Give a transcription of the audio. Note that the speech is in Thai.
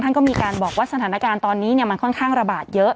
ก็มีการบอกว่าสถานการณ์ตอนนี้มันค่อนข้างระบาดเยอะ